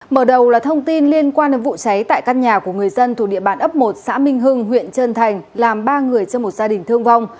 mở đầu là thông tin liên quan đến vụ cháy tại căn nhà của người dân thuộc địa bàn ấp một xã minh hưng huyện trân thành làm ba người trong một gia đình thương vong